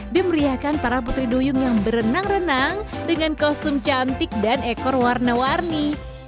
dimeriahkan para putri duyung yang berenang renang dengan kostum cantik dan ekor warna warni